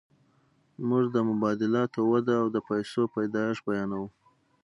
موږ د مبادلاتو وده او د پیسو پیدایښت بیانوو